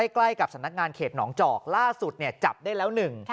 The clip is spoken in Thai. ใกล้กับสำนักงานเขตหนองจอกล่าสุดจับได้แล้วหนึ่ง